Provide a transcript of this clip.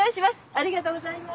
ありがとうございます。